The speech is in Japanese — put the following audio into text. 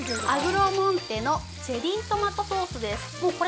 アグロモンテのチェリートマトソースです。